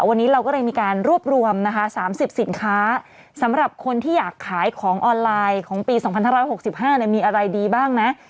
วันนี้เราก็เลยมีการรวบรวมนะคะ๓๐สินค้าสำหรับคนที่อยากขายของออนไลน์ของปี๒๕๖๕มีอะไรดีบ้างนะ